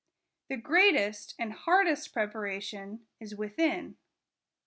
The greatest and hardest preparation is within.